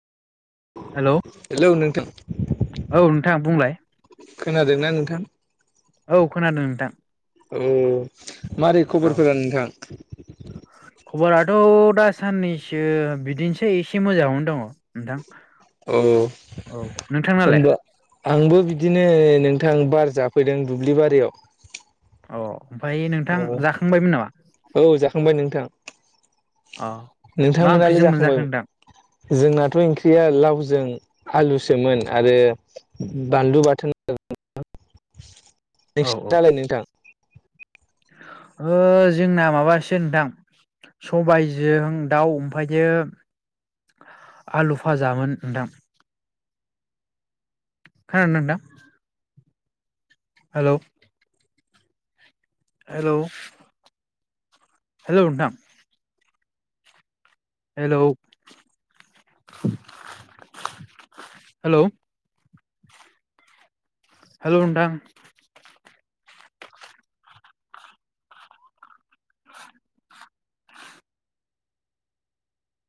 Hello hello नोंथां नोंथांं बुंलाय खोनादोंना नोंथां? औ खोनादों नोंथां। अ मारै औ खबरफोरा नोंथां? खबराथ' दासाननैसो बिदिनोसै एसे मोजाङावनो दङ नोंथां। औ औ नोंथांनालाय होनबा आंबो बिदिनो नों नोंथां बार जाफैदों दुब्लिबारियाव। अ ओमफ्राय नोंथां जाखांबायमोन नामा औ औ जाखांबाय नोंथां। अ मा नोंथांमोनालाय ओंख्रिजों मोनजाखो जाखांबायबो? नोंथां जोंनाथ' ओंख्रिया लावजों आलुसोमोन आरो बानलु बाथोन। औ औ नोंसिनियालाय नोंथां? ओ जोंना माबासो नोंथां सबायजों दाउ ओमफ्रायो आलु भाजामोन नोंथां। खोनादोना नोंथां? हेल'। हेलौ। हेलौ नोंथां। Hello hello. हेलौ नोंथां।